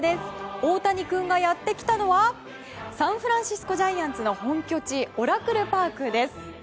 オオタニくんがやってきたのはサンフランシスコ・ジャイアンツの本拠地オラクルパークです。